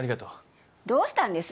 どうしたんです？